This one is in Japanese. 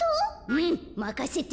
うんまかせて。